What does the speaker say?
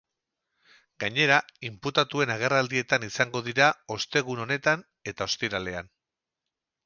Gainera, inputatuen agerraldietan izango dira ostegun honetan eta ostiralean.